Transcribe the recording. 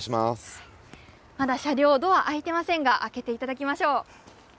まだ車両、ドア開いていませんが、開けていただきましょう。